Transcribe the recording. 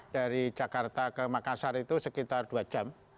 dari jakarta ke makassar itu sekitar dua jam